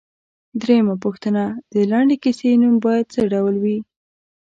درېمه پوښتنه ـ د لنډې کیسې نوم باید څه ډول وي؟